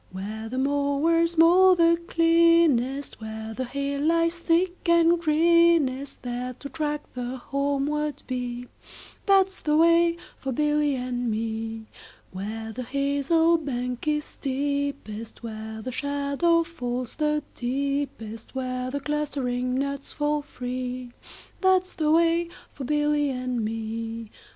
Where the mowers mow the cleanest, Where the hay lies thick and greenest, 10 There to track the homeward bee, That 's the way for Billy and me. Where the hazel bank is steepest, Where the shadow falls the deepest, Where the clustering nuts fall free, 15 That 's the way for Billy and me.